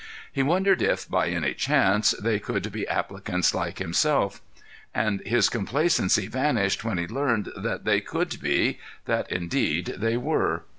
He wondered if, by any chance, they could be applicants like himself, and his complacency vanished when he learned that they could be—that, indeed, they were.